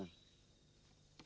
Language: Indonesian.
kau juga bisa kalau mau